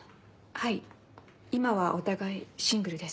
はい今はお互いシングルです。